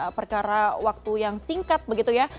ini bukan perkara waktu yang singkat begitu ya